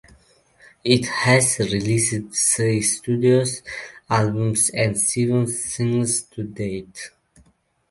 It has released three studio albums and seven singles to date.